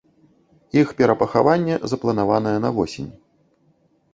Іх перапахаванне запланаванае на восень.